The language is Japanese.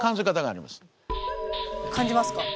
感じますか？